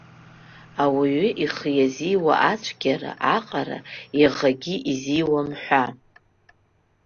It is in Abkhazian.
Ауаҩы ихы иазиуа ацәгьара аҟара иаӷагьы изиуам ҳәа.